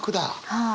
はい。